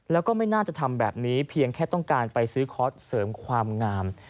แล้วก็ไม่น่าจะทำแบบนี้เพียงแค่ต้องการไปซื้อคอร์สเสริมความงาม